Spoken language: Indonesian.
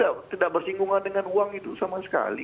dan dia tidak bersinggungan dengan uang itu sama sekali